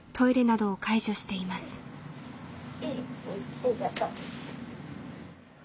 ありがとう。